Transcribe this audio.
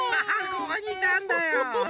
ここにいたんだよ。